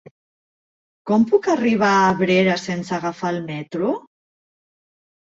Com puc arribar a Abrera sense agafar el metro?